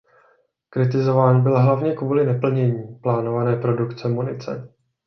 Kritizován byl hlavně kvůli neplnění plánované produkce munice.